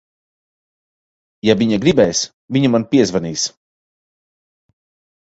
Ja viņa gribēs, viņa man piezvanīs.